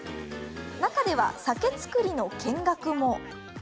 中では酒造りの見学も。